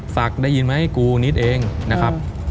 ได้ยินไหมกูนิดเองนะครับ